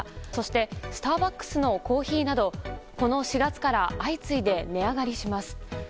そしてスターバックスのコーヒーなどこの４月から相次いで値上がりします。